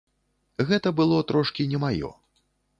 Гэта было трошкі не маё.